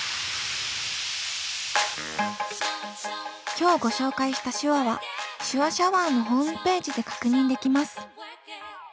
今日ご紹介した手話は「手話シャワー」のホームページで確認できます。